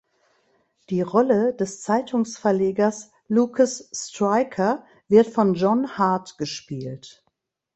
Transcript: Die Rolle des Zeitungsverlegers Lucas Striker wird von John Hart gespielt.